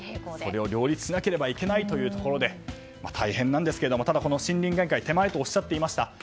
それを両立しなければいけないということで大変なんですがただ、森林限界手前とおっしゃっていました。